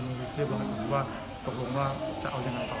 เรียบร้อยว่าตกลงว่าจะเอาอย่างนั้นต่อไป